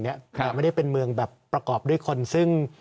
แต่ไม่ได้เป็นเมืองแบบประกอบด้วยคนซึ่ง